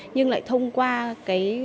nhưng lại thông qua cái